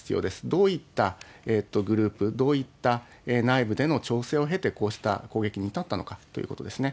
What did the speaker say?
どういったグループ、どういった内部での調整を経て、こうした攻撃に至ったのかということですね。